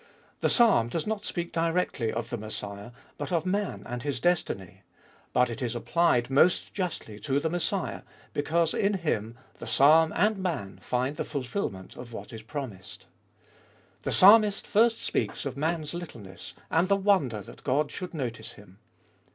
The Psalm does not speak directly of the Messiah, but of man and his destiny. But it is applied most justly to the Messiah, because in Him the Psalm and man find the fulfilment of what is promised. The Psalmist first speaks of man's littleness and the wonder that God should notice him.